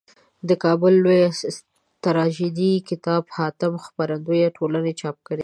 دکابل لویه تراژیدي کتاب حاتم خپرندویه ټولني چاپ کړیده.